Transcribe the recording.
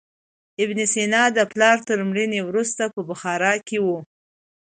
ابن سینا د پلار تر مړینې وروسته په بخارا کې و.